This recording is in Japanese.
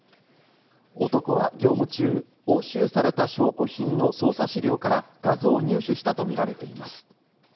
男は業務中、押収された証拠品の捜査資料から画像入手したとみられています。